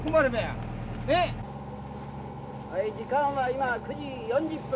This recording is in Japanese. はい時間は今９時４０分。